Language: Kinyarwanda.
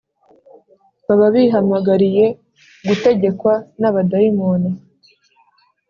baba bihamagariye gutegekwa n’abadayimoni